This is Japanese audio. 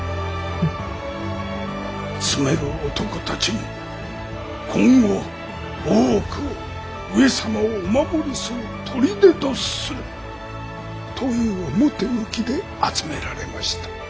詰める男たちも今後は大奥を上様をお守りする砦とするという表向きで集められました。